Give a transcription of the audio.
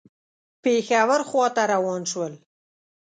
پېښور خواته روان شول.